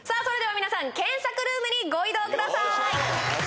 それでは皆さん検索ルームにご移動ください